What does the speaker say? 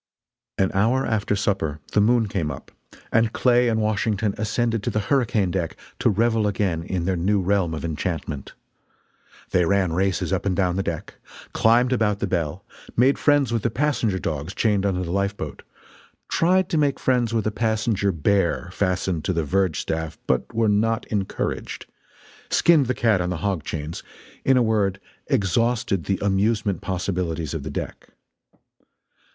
An hour after supper the moon came up, and Clay and Washington ascended to the hurricane deck to revel again in their new realm of enchantment. They ran races up and down the deck; climbed about the bell; made friends with the passenger dogs chained under the lifeboat; tried to make friends with a passenger bear fastened to the verge staff but were not encouraged; "skinned the cat" on the hog chains; in a word, exhausted the amusement possibilities of the deck.